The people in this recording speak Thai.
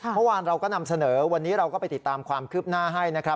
เมื่อวานเราก็นำเสนอวันนี้เราก็ไปติดตามความคืบหน้าให้นะครับ